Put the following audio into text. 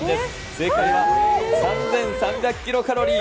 正解は３３００キロカロリー。